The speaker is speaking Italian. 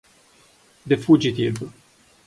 The Fugitive